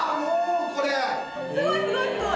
すごいすごいすごい！